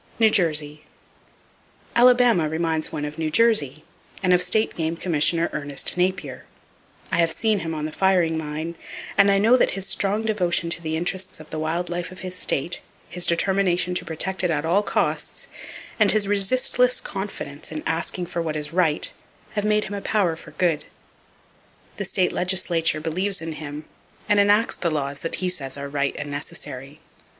[Page 253] New Jersey. —Alabama reminds one of New Jersey, and of State Game Commissioner Ernest Napier. I have seen him on the firing line, and I know that his strong devotion to the interests of the wild life of his state, his determination to protect it at all costs, and his resistless confidence in asking for what is right, have made him a power for good. The state legislature believes in him, and enacts the laws that he says are right and necessary.